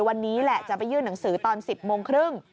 วันนี้แหละจะไปยื่นหนังสือตอน๑๐โมงครึ่ง